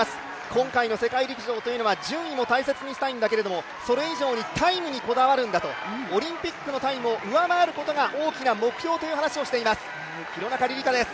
今回の世界陸上というのは順位も大切にしたいんだけどもそれ以上にタイムにこだわるんだと、オリンピックのタイムを上回ることが大きな目標という話をしている廣中璃梨佳です。